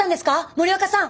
森若さん！